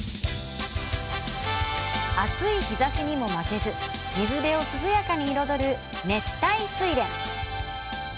暑い日ざしにも負けず水辺を涼やかに彩る熱帯スイレン。